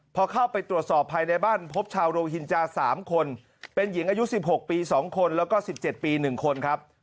พอเข้าไปตรวจสอบภายในบ้านพบชาวโรฮินจา๓คนเป็นหญิงอายุ๑๖ปี๒คนแล้วก็๑๗ปี๑คนครับ